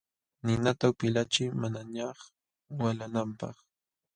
Ninata upilachiy manañaq walananapaq.